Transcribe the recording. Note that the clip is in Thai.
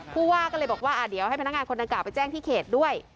ผู้ว่าก็เลยบอกว่าเดี๋ยวให้พนักงานคนดังกล่าไปแจ้งที่เขตด้วย